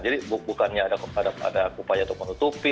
jadi bukannya ada upaya untuk menutupi